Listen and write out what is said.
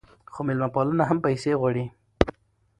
خو میلمه پالنه هم پیسې غواړي.